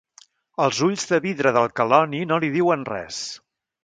Els ulls de vidre del queloni no li diuen res.